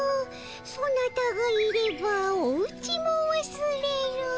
ソナタがいればおうちもわすれる」。